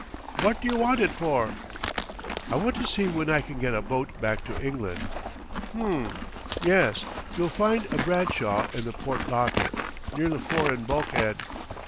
"Wot d'you want it for?" "I want to see when I can get a boat back to England." "Hmm.... Yes, you'll find a Bradshaw in the port locker, near the for'ard bulk'ead.